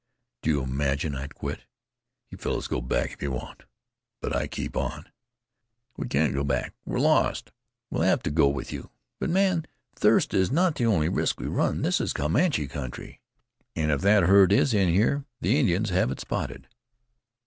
Do you imagine I'd quit? You fellows go back if you want, but I keep on." "We can't go back. We're lost. We'll have to go with you. But, man, thirst is not the only risk we run. This is Comanche country. And if that herd is in here the Indians have it spotted."